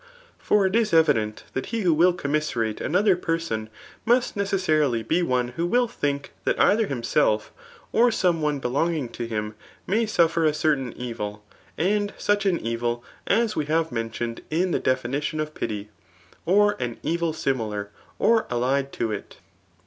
For it is evident that he who will comxniaerate anocber person must necessarily be one who will think tbat rither Umself^ or some one belonging to him^ may suffer a certain evil» and such an evil as we have mentioned in the definition of pity ; or an evil similar or allied to it.